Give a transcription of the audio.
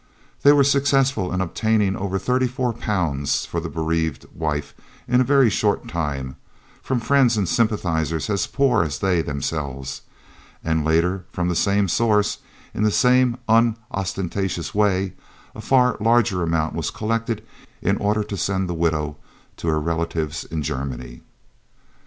They were successful in obtaining over £34 for the bereaved wife in a very short time, from friends and sympathisers as poor as they themselves, and later, from the same source, in the same unostentatious way, a far larger amount was collected in order to send the widow to her relatives in Germany.